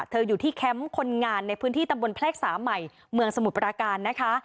อยู่ที่แคมป์คนงานในพื้นที่ตำบลแพรกสาใหม่เมืองสมุทรปราการนะคะ